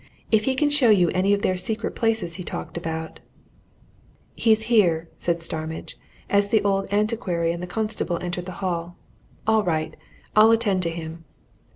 If he can show you any of their secret places he talked about " "He's here," said Starmidge, as the old antiquary and the constable entered the hall. "All right I'll attend to him."